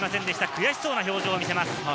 悔しそうな表情を見せます。